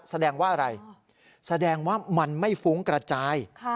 แสดงว่าอะไรแสดงว่ามันไม่ฟุ้งกระจาย